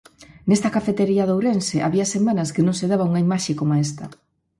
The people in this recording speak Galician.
Nesta cafetería de Ourense había semanas que non se daba unha imaxe coma esta...